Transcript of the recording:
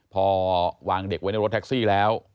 พอวางเด็กไว้ในรถแท็กซี่แล้ว